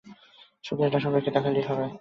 শুধু এটা সবাইকে দেখালেই হবে।